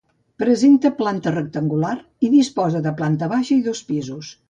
Presenta planta rectangular, i disposa de planta baixa i dos pisos.